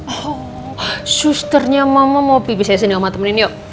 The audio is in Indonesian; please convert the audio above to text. oh susternya mama mau pipis aja nih sama temenin yuk